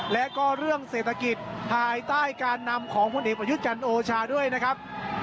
และก็เรื่องเศรษฐกิจภายใต้การนำของผลเอกประยุทธ์จันทร์โอชาด้วยนะครับ